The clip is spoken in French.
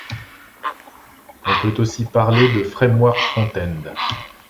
On peut aussi parler de framework front-end.